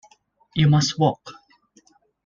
You must walk.